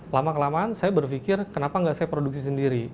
lama kelamaan saya berpikir kenapa nggak saya produksi sendiri